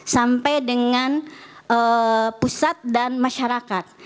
sampai dengan pusat dan masyarakat